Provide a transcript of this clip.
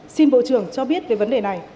xin bộ trưởng cho biết về vấn đề này